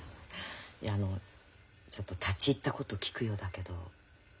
いやあのちょっと立ち入ったこと聞くようだけど。